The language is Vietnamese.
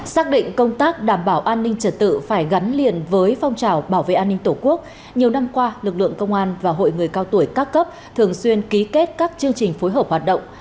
xác định công tác đảm bảo an ninh trật tự phải gắn liền với phong trào bảo vệ an ninh tổ quốc nhiều năm qua lực lượng công an và hội người cao tuổi các cấp thường xuyên ký kết các chương trình phối hợp hoạt động